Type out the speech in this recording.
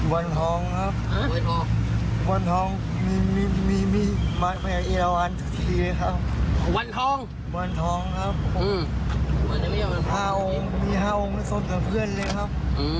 วันทองครับวันทองมีแม่เอลวันทุกทีเลยครับวันทองครับมี๕องค์มี๕องค์นักศนกับเพื่อนเลยครับ